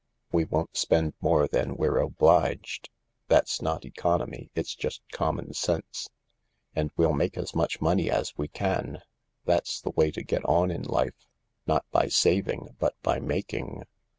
We won't spend more than we're; obliged — that's not economy — it's just common sense. And we'll make as much money as we can. That's the way to get on in life. Not by saving, but by making.